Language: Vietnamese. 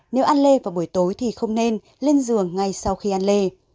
nếu ăn lê vào buổi tối thì không nên lên giường ngay sau khi ăn lê